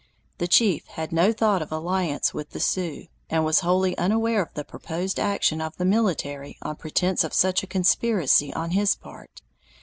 The chief had no thought of alliance with the Sioux, and was wholly unaware of the proposed action of the military on pretense of such a conspiracy on his part.